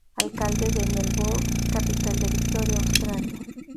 Alcalde de Melbourne, capital de Victoria, Australia.